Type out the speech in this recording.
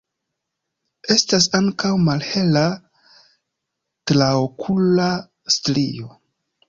Estas ankaŭ malhela traokula strio.